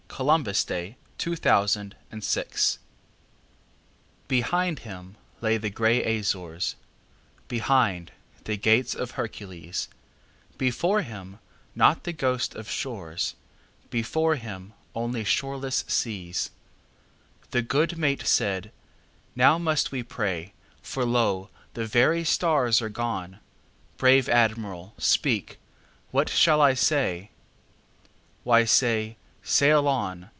1900. By JoaquinMiller 798 Columbus BEHIND him lay the gray Azores, Behind the Gates of Hercules; Before him not the ghost of shores, Before him only shoreless seas. The good mate said: "Now must we pray, For lo! the very stars are gone. Brave Admiral, speak, what shall I say?""Why, say, 'Sail on!